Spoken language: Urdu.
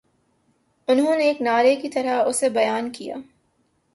انہوں نے ایک نعرے کی طرح اسے بیان کیا